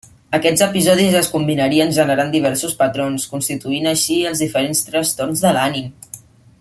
Aquests episodis es combinarien generant diversos patrons, constituint així els diferents trastorns de l'ànim.